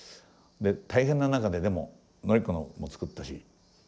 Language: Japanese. で大変な中ででも典子のも作ったし。